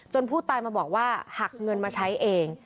ผู้ตายมาบอกว่าหักเงินมาใช้เอง